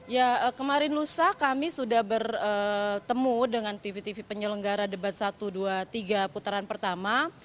ya kemarin lusa kami sudah bertemu dengan tv tv penyelenggara debat satu dua tiga putaran pertama